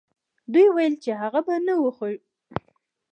دوی ويل چې هغه به نه وغږېږي.